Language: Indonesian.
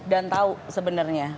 dan tahu sebenarnya